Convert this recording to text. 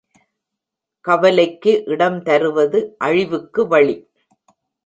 கவலை க்கு இடம் தருவது அழிவுக்கு வழி.